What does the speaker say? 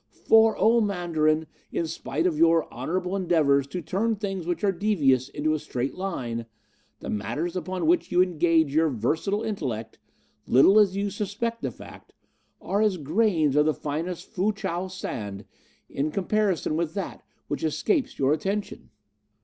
For, O Mandarin, in spite of your honourable endeavours to turn things which are devious into a straight line, the matters upon which you engage your versatile intellect little as you suspect the fact are as grains of the finest Foo chow sand in comparison with that which escapes your attention.